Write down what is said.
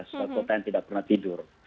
sebuah kota yang tidak pernah tidur